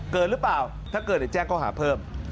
เกินหรือเปล่าถ้าเกิดแจ้งเขาหาเพิ่ม